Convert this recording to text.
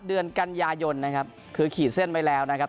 เดือนกันยายนนะครับคือขีดเส้นไว้แล้วนะครับ